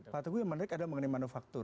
pak teguh yang menarik adalah mengenai manufaktur